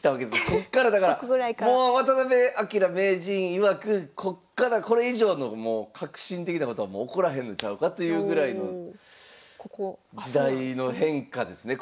こっからだからもう渡辺明名人いわくこっからこれ以上の革新的なことはもう起こらへんのちゃうかというぐらいの時代の変化ですね